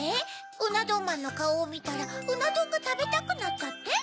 「うなどんまんのカオをみたらうなどんがたべたくなった」って？